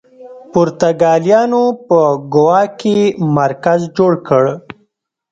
پرتګالیانو په ګوا کې مرکز جوړ کړ.